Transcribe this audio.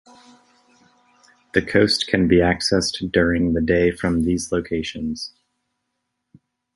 The coast can be accessed during the day from these locations.